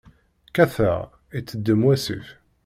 Kkateɣ, iteddem wasif.